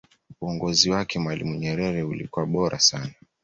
uongozi wake mwalimu nyerere ulikuwa bora sana